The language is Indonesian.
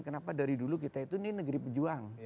kenapa dari dulu kita itu ini negeri pejuang